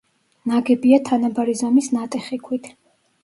ნაგებია თანაბარი ზომის ნატეხი ქვით.